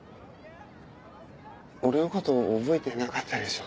俺のこと覚えてなかったでしょ？